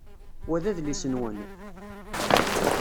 Wa d adlis-nwen?